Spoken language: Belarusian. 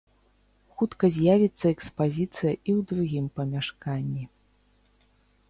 Хутка з'явіцца экспазіцыя і ў другім памяшканні.